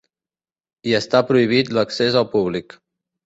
Hi està prohibit l'accés al públic.